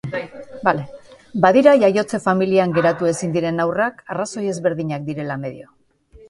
Badira jaiotze familian geratu ezin diren haurrak, arrazoi ezberdinak direla medio.